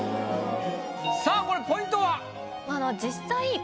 さぁこれポイントは？